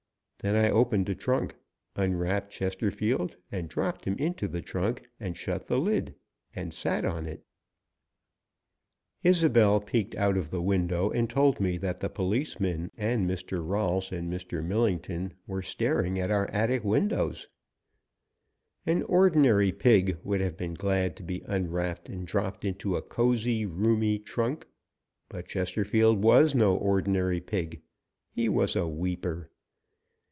Then I opened a trunk, unwrapped Chesterfield and dropped him into the trunk, and shut the lid. And sat on it. [Illustration: 175] Isobel peeked out of the window, and told me that the policeman and Mr. Rolfs and Mr. Millington were staring at our attic windows. An ordinary pig would have been glad to be unwrapped and dropped into a cozy, roomy trunk, but Chesterfield was no ordinary pig. He was a weeper.